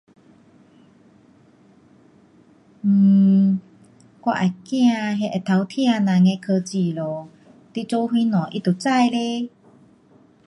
我会怕那会偷听人的科技咯，你做什么它都知嘞。